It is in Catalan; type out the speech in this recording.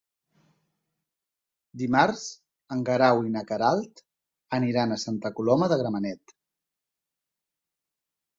Dimarts en Guerau i na Queralt aniran a Santa Coloma de Gramenet.